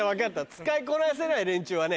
使いこなせない連中はね。